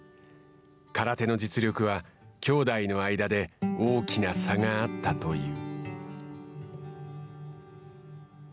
空手の実力は兄弟の間で大きな差があったという。